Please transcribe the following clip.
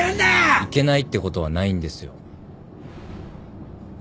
いけないってことはないんですよ。